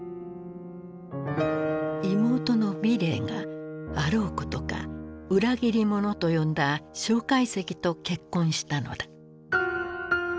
妹の美齢があろうことか「裏切り者」と呼んだ介石と結婚したのだ。